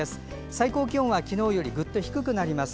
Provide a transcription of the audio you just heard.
最高気温は昨日よりぐっと低くなります。